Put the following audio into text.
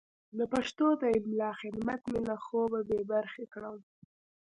د پښتو د املا خدمت مې له خوبه بې برخې کړم.